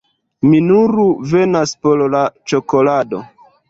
Mi nur venas por la ĉokolado